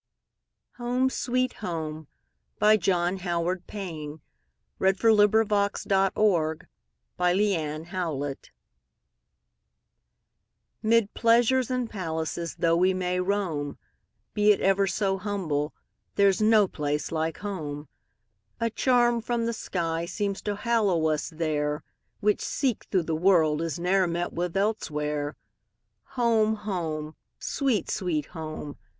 i, the Maid of Milan" John Howard Payne 1791–1852 John Howard Payne 14 Home, Sweet Home MID PLEASURES and palaces though we may roam, Be it ever so humble there 's no place like home!A charm from the sky seems to hallow us there, Which, seek through the world, is ne'er met with elsewhere. Home! home! sweet, sweet home!